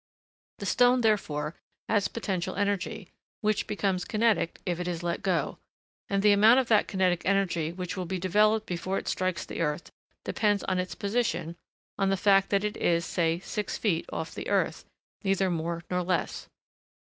The stone, therefore, has potential energy, which becomes kinetic if it is let go, and the amount of that kinetic energy which will be developed before it strikes the earth depends on its position on the fact that it is, say, six feet off the earth, neither more nor less.